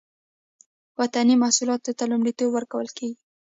وطني محصولاتو ته لومړیتوب ورکول کیږي